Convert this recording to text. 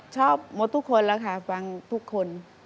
ชอบหมดทุกคนแล้วค่ะฟังทุกคน